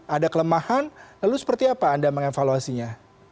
ada kelemahan lalu seperti apa anda mengevaluasinya